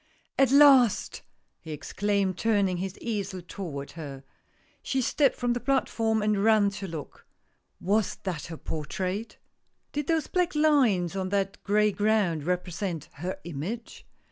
" At last !" he exclaimed, turning his easel toward her. She stepped from the platform, and ran to look. Was that her portrait! Did those black lines on that gray ground represent her image